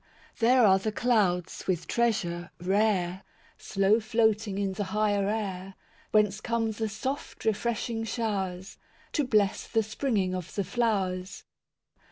II There are the clouds with treasure rare, Slow floating in the higher air, Whence come the soft refreshing showers, To bless the springing of the flowers.